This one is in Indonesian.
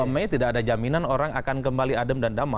dua puluh dua mei tidak ada jaminan orang akan kembali adem adem